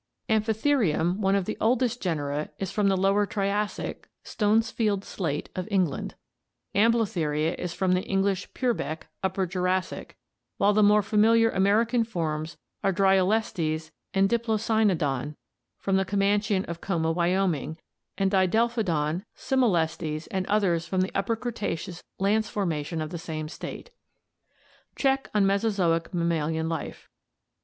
Amphitherium, one of the oldest genera, is from the Lower Jurassic (Stonesfield slate) of England, Amblotherium is from the English Purbeck (Upper Jurassic), while the more familiar American forms are Dryokstes and Diplocynodon from the Comanchian of Como, Wyoming, and Di delpkodon, Citnolestes, and others from the Upper Cretaceous Lance formation of the same state. Check on Mesozoic Mammalian Life.